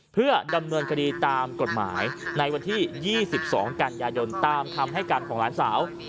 เพื่อดำเนินคดีตามกฎหมายในวันที่๒๒กันยายนตามคำให้การของหลานสาว